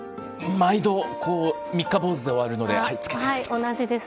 毎度、こう、三日坊主で終わるので、つけてないです。